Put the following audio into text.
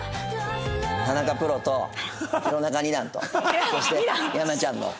田中プロと弘中二段とそして山ちゃんの。